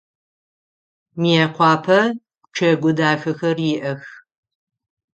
Мыекъуапэ пчэгу дахэхэр иӏэх.